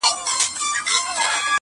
دهقان څه چي لا په خپل کلي کي خان وو-